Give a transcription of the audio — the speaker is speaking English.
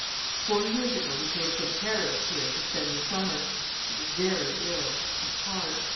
"Four years ago he came from Paris here to spend the summer he was ver' ill his heart.